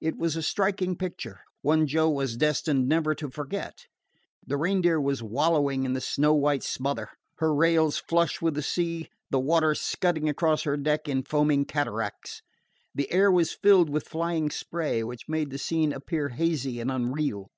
It was a striking picture one Joe was destined never to forget. The Reindeer was wallowing in the snow white smother, her rails flush with the sea, the water scudding across her deck in foaming cataracts. The air was filled with flying spray, which made the scene appear hazy and unreal.